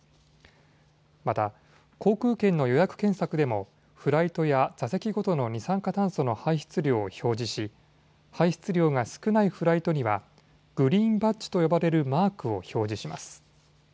また、航空券の予約検索でもフライトや座席ごとの二酸化炭素の排出量を表示し排出量が少ないフライトにはグリーンバッジと呼ばれるマークを表示します。